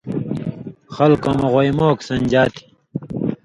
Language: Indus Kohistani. خلکؤں مہ غویمہ اوک سَںدژا تھی۔